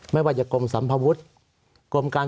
สวัสดีครับทุกคน